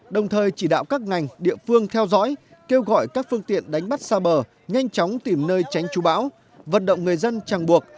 đồng thời chỉ đạo các ngành địa phương theo dõi kêu gọi các phương tiện đánh bắt xa bờ nhanh chóng tìm nơi tránh chú bão vận động người dân chẳng buộc